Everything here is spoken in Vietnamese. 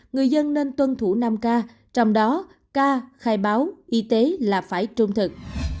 người dân nên tuân thủ năm k trong đó ca khai báo y tế là phải trung thực